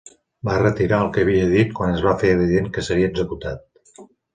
Va retirar el que havia dit quan es va fer evident que seria executat.